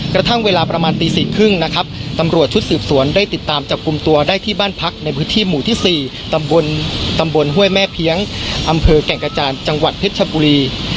กระทั่งเวลาประมาณตี๔๓๐นะครับตำรวจชุดสืบสวนได้ติดตามจับกลุ่มตัวได้ที่บ้านพักในพื้นที่หมู่ที่๔ตำบลตำบลห้วยแม่เพี้ยงอำเภอแก่งกระจานจังหวัดเพชรชบุรี